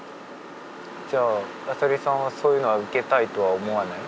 じゃあ浅利さんはそういうのは受けたいとは思わない？